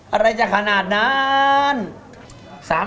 อะไรจะขนาดนั้น